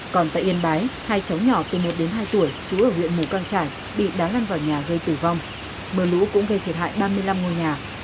còn tại yên bái hai cháu nhỏ từ một đến hai tuổi trú ở huyện mù căng trải bị đá lăn vào nhà gây tử vong mưa lũ cũng gây thiệt hại ba mươi năm ngôi nhà